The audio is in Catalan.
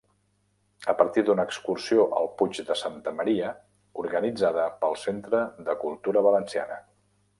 A partir d'una excursió al Puig de Santa Maria, organitzada pel Centre de Cultura Valenciana.